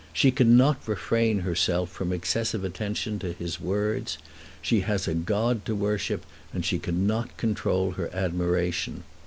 She cannot refrain herself from excessive attention to his words. She has a god to worship, and she cannot control her admiration.